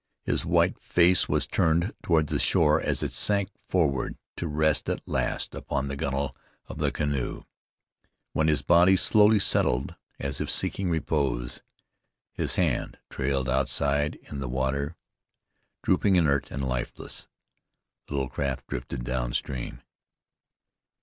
His white face was turned toward the shore as it sank forward to rest at last upon the gunwale of the canoe. Then his body slowly settled, as if seeking repose. His hand trailed outside in the water, drooping inert and lifeless. The little craft drifted down stream.